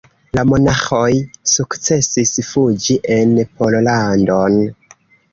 La monaĥoj sukcesis fuĝi en Pollandon.